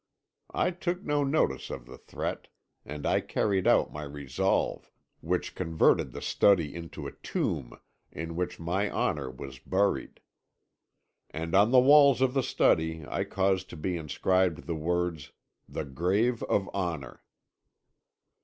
I took no notice of the threat, and I carried out my resolve which converted the study into a tomb in which my honour was buried. And on the walls of the study I caused to be inscribed the words 'The Grave of Honour.'